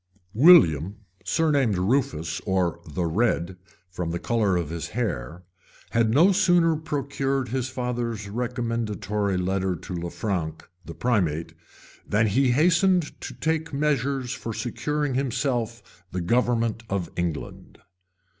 } WILLIAM, surnamed Rufus, or the Red, from the color of his hair, had no sooner procured his father's recommendatory letter to Lanfranc, the primate, than he hastened to take measures for securing to himself the government of England.